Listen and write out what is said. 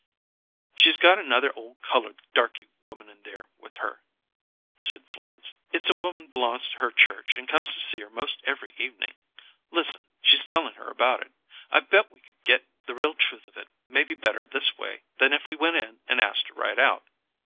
"She's got another ole coloured darky woman in there with her," said Florence. "It's a woman belongs to her church and comes to see her 'most every evening. Listen; she's telling her about it. I bet we could get the real truth of it maybe better this way than if we went in and asked her right out.